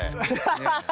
アハハハ！